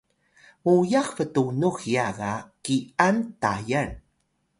muyax btunux hiya ga ki’an Tayal